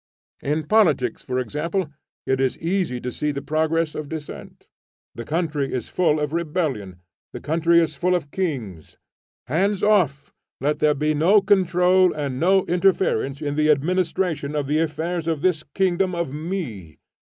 In politics for example it is easy to see the progress of dissent. The country is full of rebellion; the country is full of kings. Hands off! let there be no control and no interference in the administration of the affairs of this kingdom of me.